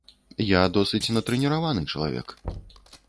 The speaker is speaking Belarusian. Я досыць натрэніраваны чалавек.